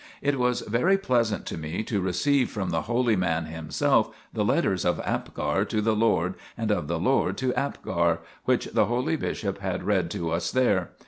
It was very pleasant to me to receive from the holy man himself the letters of Abgar to the Lord and of the Lord to Abgar, which the holy bishop had read to us there.